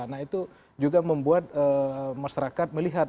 nah itu juga membuat masyarakat melihat